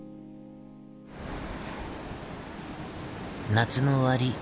夏の終わり。